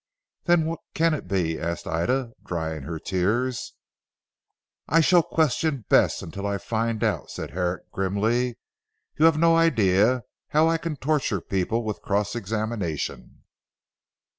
"Then what can it be?" asked Ida drying her tears. "I shall question Bess until I find out," said Herrick grimly. "You have no idea how I can torture people with cross examination."